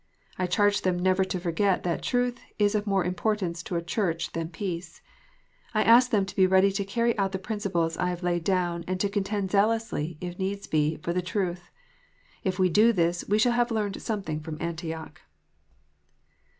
I charge them never to forget that truth is of more importance to a Church than peace. I ask them to be ready to carry out the principles I have laid down, and to contend zealously, if needs be, for the truth. If we do this, w r e shall have learned something from Antioch.